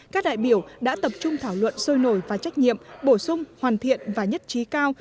các đại biểu đã tập trung thảo luận sôi nổi và trách nhiệm bổ sung hoàn thiện và nhất trí cao